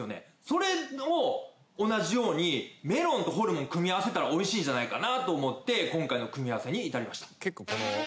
それと同じようにメロンとホルモン組み合わせたらおいしいんじゃないかと思って今回の組み合わせに至りました。